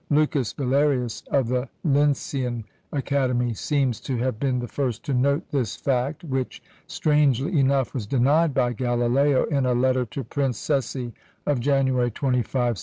Lucas Valerius, of the Lyncean Academy, seems to have been the first to note this fact, which, strangely enough, was denied by Galileo in a letter to Prince Cesi of January 25, 1613.